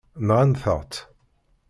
Nɣant-aɣ-t.